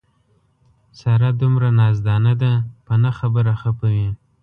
ساره دومره نازدان ده په نه خبره خپه وي.